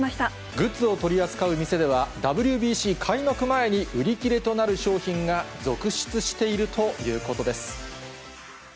グッズを取り扱う店では、ＷＢＣ開幕前に売り切れとなる商品が、続出しているということです。